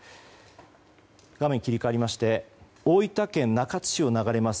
画面切り替わりまして大分県中津市を流れます